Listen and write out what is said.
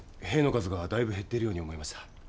兵の数がだいぶ減ってるように思いました。